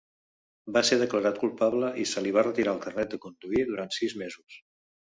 Va ser declarat culpable i se li va retirar el carnet de conduir durant sis mesos.